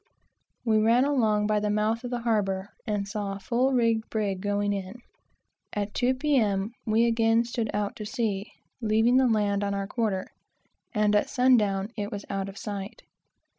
We ran along by the mouth of the harbor, and saw a full rigged brig going in. At two, P.M., we again kept off before the wind, leaving the land on our quarter, and at sun down, it was out of sight.